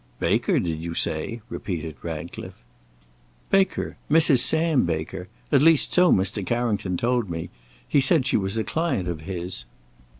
"Baker, did you say?" repeated Ratcliffe. "Baker Mrs. Sam Baker; at least so Mr. Carrington told me; he said she was a client of his."